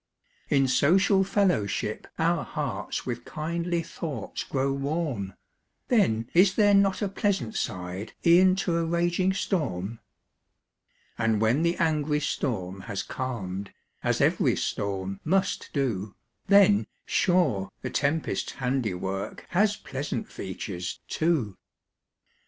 In social fellowship, our hearts With kindly thoughts grow warm; Then is there not a pleasant side, E'en to a raging storm? And when the angry storm has calm'd, As ev'ry storm must do, Then, sure, the tempest's handiwork, Has pleasant features, too.